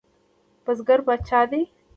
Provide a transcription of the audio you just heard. بزګر پاچا دی؟